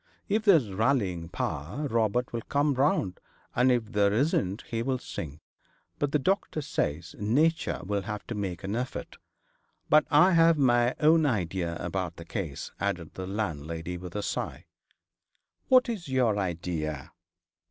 If there's rallying power, Robert will come round, and if there isn't he'll sink. But the doctor says nature will have to make an effort. But I have my own idea about the case,' added the landlady, with a sigh. 'What is your idea?'